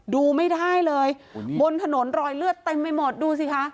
ดูไม่ได้เลยบนถนนรอยเลือดเต็มไปหมดดูสิคะ